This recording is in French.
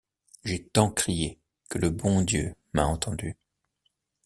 J’ai tant crié que le bon Dieu m’a entendue.